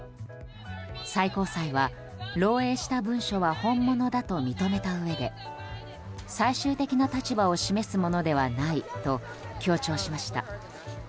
最高裁は漏洩した文書は本物だと認めたうえで最終的な立場を示すものではないと強調しました。